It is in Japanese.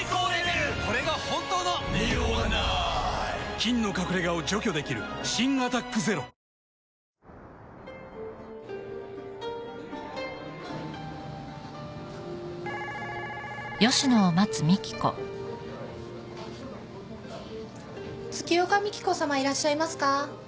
菌の隠れ家を除去できる新「アタックＺＥＲＯ」☎月岡三喜子さまいらっしゃいますか？